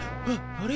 あれ？